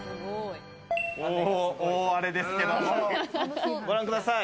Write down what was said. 大荒れですけど、ご覧ください。